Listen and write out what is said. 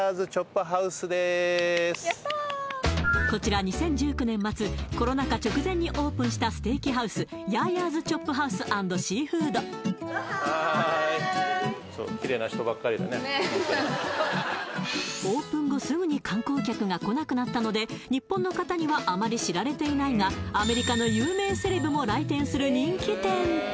こちら２０１９年末コロナ禍直前にオープンしたステーキハウスねえオープン後すぐに観光客が来なくなったので日本の方にはあまり知られていないがアメリカのそうですね